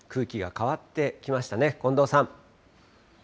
空気が変わってきましたね、近藤さん。